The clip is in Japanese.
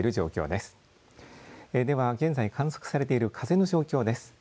では現在観測されている風の状況です。